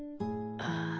ああ。